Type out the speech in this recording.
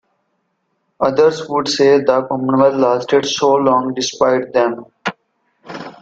Others would say the Commonwealth lasted so long "despite" them.